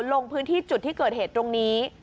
ลงพื้นที่จุดที่เกิดเหตุตรงนี้